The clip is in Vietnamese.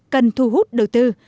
cần thu hút đầu tư